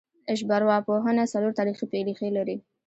ژبارواپوهنه څلور تاریخي ریښې لري